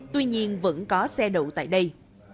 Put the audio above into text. tuy nhiên vẫn có xe đậu tại đây